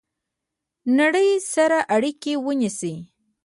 نړۍ سره اړیکه ونیسئ